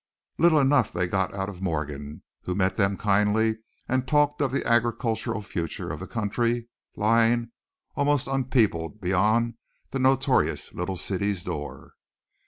Little enough they got out of Morgan, who met them kindly and talked of the agricultural future of the country lying almost unpeopled beyond the notorious little city's door.